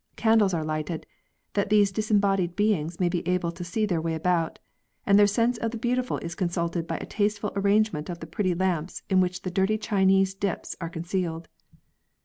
Candles are lighted, that these disembodied beings may be able to see their way about ; and their sense of the beau tiful is consulted by a tasteful arrangement of the pretty lamps in which the dirty Chinese dips are con cealed.